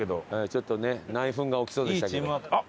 ちょっとね内紛が起きそうでしたけど。